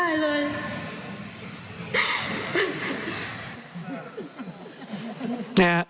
หนูยังทำไม่ได้เลย